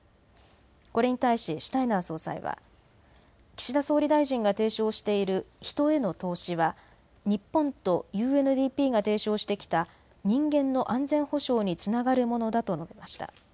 これに対しシュタイナー総裁は、岸田総理大臣が提唱している人への投資は日本とＵＮＤＰが提唱してきた人間の安全保障につながるものだと述べました。